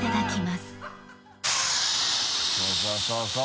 そうそうそう！